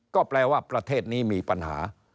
ก็แปลว่าประเทศนี้มีปัญหา